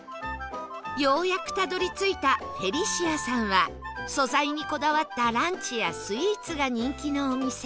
ようやくたどり着いた Ｆｅｌｉｃｉａ さんは素材にこだわったランチやスイーツが人気のお店